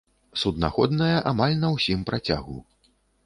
Суднаходная амаль на ўсім працягу.